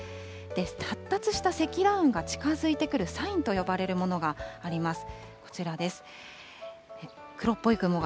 発達した積乱雲が近づいてくるサインと呼ばれるものがあります。